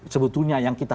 sebetulnya yang kita